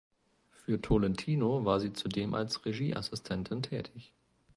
Für Tolentino war sie zudem als Regieassistentin tätig.